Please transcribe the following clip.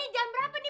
eh ini jam berapa nih